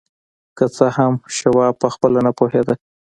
که څه هم شواب پخپله نه پوهېده.